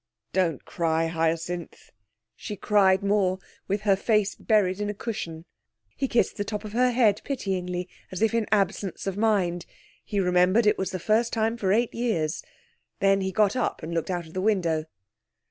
'Don't cry, Hyacinth.' She cried more, with her face buried in a cushion. He kissed the top of her head pityingly, as if in absence of mind. He remembered it was the first time for eight years. Then he got up and looked out of the window.